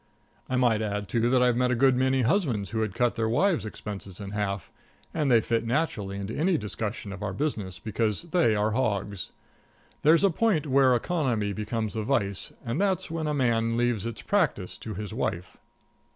I might add, too, that I've met a good many husbands who had cut their wives' expenses in half, and they fit naturally into any discussion of our business, because they are hogs. There's a point where economy becomes a vice, and that's when a man leaves its practice to his wife.